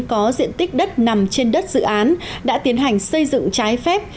có diện tích đất nằm trên đất dự án đã tiến hành xây dựng trái phép